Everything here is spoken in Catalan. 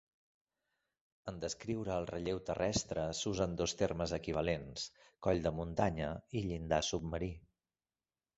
En descriure el relleu terrestre s'usen dos termes equivalents: coll de muntanya i llindar submarí.